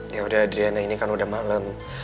yaudah adriana ini kan udah malem